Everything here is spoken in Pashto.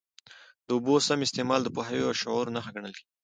د اوبو سم استعمال د پوهاوي او شعور نښه ګڼل کېږي.